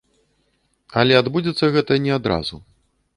Але адбудзецца гэта не адразу.